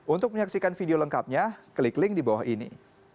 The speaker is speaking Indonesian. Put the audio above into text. untuk menyaksikan video lengkapnya klik link di bawah ini